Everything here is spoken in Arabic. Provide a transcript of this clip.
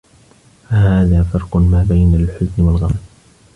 فَهَذَا فَرْقٌ مَا بَيْنَ الْحُزْنِ وَالْغَضَبِ